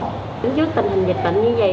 đứng trước tình hình dịch bệnh như vậy